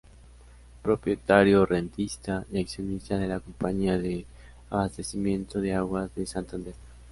Propietario rentista y accionista de la Compañía de Abastecimiento de Aguas de Santander.